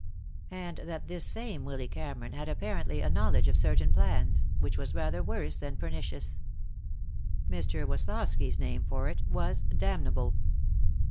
And that this same Willy Cameron had apparently a knowledge of certain plans, which was rather worse than pernicious. Mr. Woslosky's name for it was damnable.